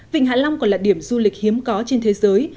vịnh hạ long còn là điểm du lịch hiếm có trên thế giới